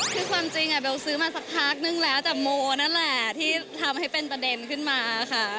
คือความจริงเบลซื้อมาสักพักนึงแล้วแต่โมนั่นแหละที่ทำให้เป็นประเด็นขึ้นมาค่ะ